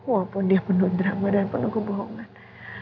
walaupun dia penuh drama dan penuh kebohongan